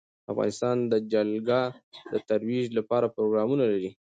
افغانستان د جلګه د ترویج لپاره پروګرامونه لري.